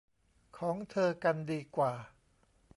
ของเธอกันดีกว่า